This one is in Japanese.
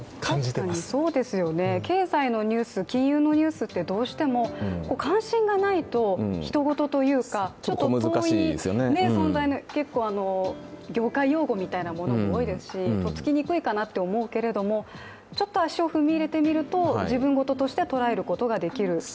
確かに経済のニュース、金融のニュースってどうしても関心がないとひと事、遠い存在というか業界のようなものも多いですしとっつきにくいかなと思うけどちょっと足を踏み入れてみると自分事として捉えることができる。